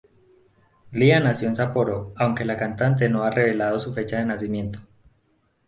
Lia Nació en Sapporo, aunque la cantante no ha rebelado su fecha de nacimiento.